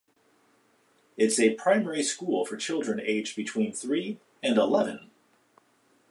It's a primary school for children aged between three and eleven.